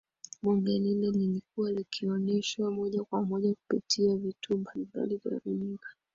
Bunge lile lilikuwa likioneshwa moja kwa moja kupitia vituo mbalimbali vya runinga